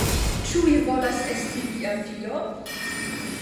Ĉu vi volas esti mia filo?